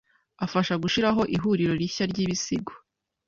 afasha gushiraho ihuriro rishya ryibisigo